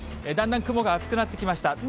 だんだん雲が厚くなってきました。